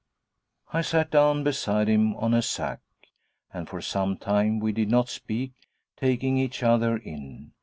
I sat down beside him on a sack. And for some time we did not speak, taking each other in.